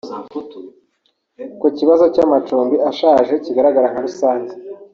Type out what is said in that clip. Ku kibazo cy’amacumbi ashaje kigaragara nka rusange